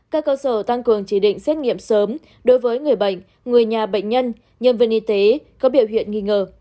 các cơ sở tăng cường chỉ định xét nghiệm sớm đối với người bệnh người nhà bệnh nhân nhân viên y tế có biểu hiện nghi ngờ